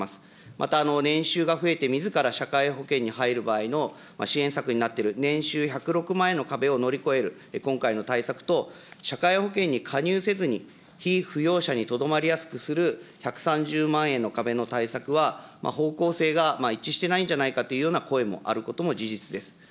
また、年収が増えて、みずから社会保険に入る場合の支援策になっている、年収１０６万円の壁を乗り越える、今回の対策と、社会保険に加入せずに、被扶養者にとどまりやすくする１３０万円の壁の対策は、方向性が一致していないんじゃないかというような声もあることも事実です。